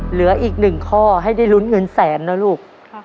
เหลืออีกหนึ่งข้อให้ได้ลุ้นเงินแสนนะลูก